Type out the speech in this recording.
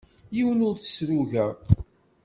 Yiwen ur t-ssruyeɣ.